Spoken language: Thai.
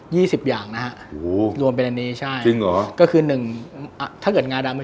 เดี๋ยวลองชิมกันดู